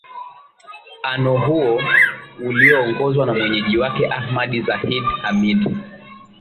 ano huo ulioongozwa na mwenyeji wake ahmad zahid hamid